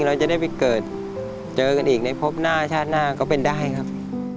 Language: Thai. เราจะได้ไปเกิดเจอกันอีกในพบหน้าชาติหน้าก็เป็นได้ครับ